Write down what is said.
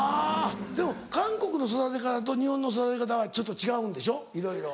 でも韓国の育て方と日本の育て方はちょっと違うんでしょいろいろ。